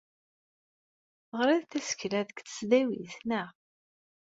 Teɣriḍ tasekla deg tesdawit, naɣ?